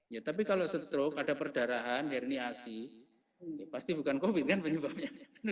ya tapi kalau stroke ada perdarahan herniasi pasti bukan covid kan penyebabnya